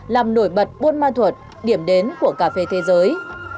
làm nổi bật buôn ma thuật điểm đến của cà phê thế giới